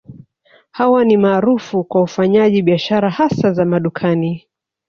Hawa ni maarufu kwa ufanyaji biashara hasa za madukani